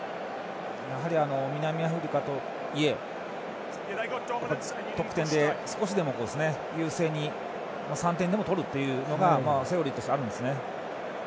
やはり南アフリカとはいえ得点で、少しでも優勢に３点でも取るというのがセオリーとしてあるんですね。